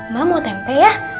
mak mau tempe ya